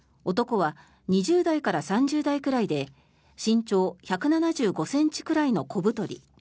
男は２０代から３０代ぐらいで身長１７５ｃｍくらいの小太り。